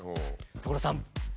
所さん！